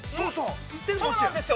そうなんですよ。